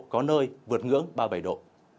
có nơi vượt ngưỡng ba mươi bảy độ